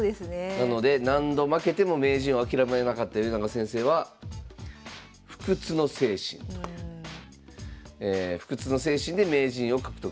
なので何度負けても名人を諦めなかった米長先生は不屈の精神で名人位を獲得されました。